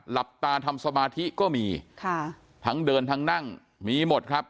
หลับตาทำสมาธิก็มีค่ะทั้งเดินทั้งนั่งมีหมดครับ